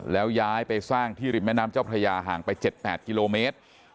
แล้วย้ายไปสร้างที่ริมแม่น้ำเจ้าพระยาห่างไป๗๘กิโลเมตร